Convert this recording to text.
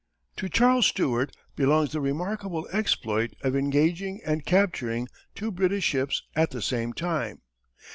To Charles Stewart belongs the remarkable exploit of engaging and capturing two British ships at the same time.